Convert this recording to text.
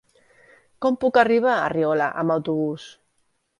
Com puc arribar a Riola amb autobús?